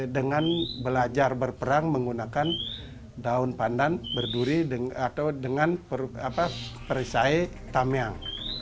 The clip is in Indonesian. dengan belajar berperang menggunakan daun pandan berduri atau dengan perisai tamiang